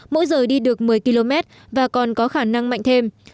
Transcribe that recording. mỗi giờ đi được một mươi km và còn có khả năng mạnh thêm